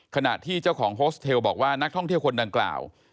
ขณะที่เจ้าของโฮสเทลบอกว่านักท่องเที่ยวคนดังกล่าว